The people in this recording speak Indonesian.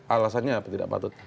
alasannya apa tidak patut